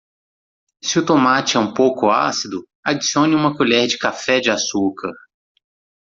Se o tomate é um pouco ácido, adicione uma colher de café de açúcar.